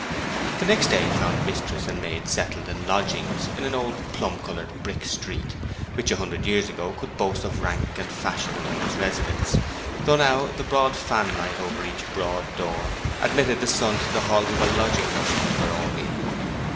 The next day found mistress and maid settled in lodgings in an old plum coloured brick street, which a hundred years ago could boast of rank and fashion among its residents, though now the broad fan light over each broad door admitted the sun to the halls of a lodging house keeper only.